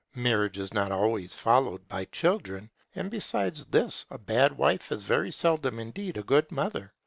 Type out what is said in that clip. Marriage is not always followed by children; and besides this, a bad wife is very seldom indeed a good mother.